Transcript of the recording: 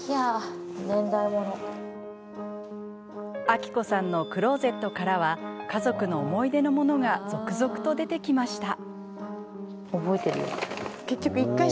あきこさんのクローゼットからは家族の思い出の物が続々と出てきました。